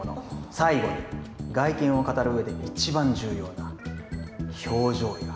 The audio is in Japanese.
最後に外見を語る上で一番重要な表情やふるまいです。